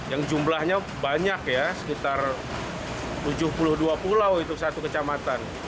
yang jumlahnya banyak ya sekitar tujuh puluh dua pulau itu satu kecamatan